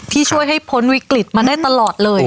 ที่ช่วยให้พ้นวิกฤตมาได้ตลอดเลย